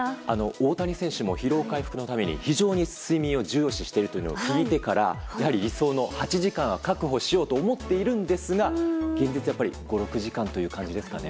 大谷選手も疲労回復のために非常に睡眠を重要視しているというのを聞いてからやはり理想の８時間は確保しようと思っているんですが現実は５６時間という感じですかね。